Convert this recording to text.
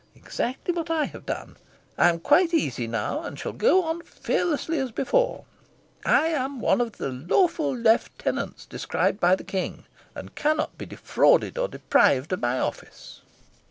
Exactly what I have done. I am quite easy now, and shall go on fearlessly as before. I am one of the 'lawful lieutenants' described by the King, and cannot be 'defrauded or deprived' of my office."